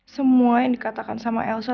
semua yang dikatakan sama elsa